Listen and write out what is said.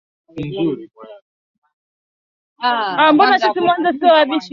uliogawanyika katika himaya nane Himaya hizo ni pamoja na